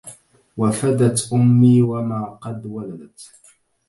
وفدت أمي وما قد ولدت